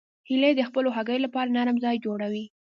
هیلۍ د خپلو هګیو لپاره نرم ځای جوړوي